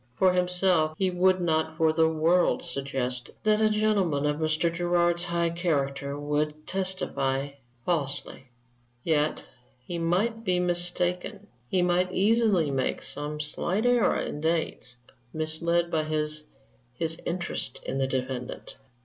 For himself, he would not for the world suggest that a gentleman of Mr. Gerard's high character would testify falsely; yet he might be mistaken; he might easily make some slight error in dates, misled by his his interest in the defendant.